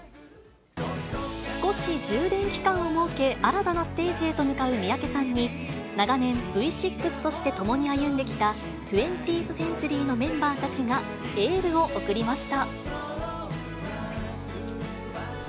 少し充電期間を設け、新たなステージへと向かう三宅さんに、長年、Ｖ６として共に歩んできた、２０ｔｈＣｅｎｔｕｒｙのメンバーたちがエールを送りました。